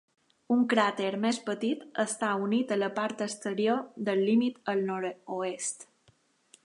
Un cràter més petit està unit a la part exterior del límit al nord-oest.